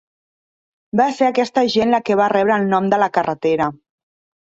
Va ser aquesta gent la que va rebre el nom de la carretera.